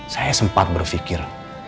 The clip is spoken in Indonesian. saya sempat berpikir